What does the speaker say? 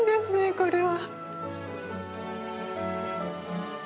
これは。